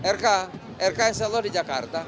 rk rk insya allah di jakarta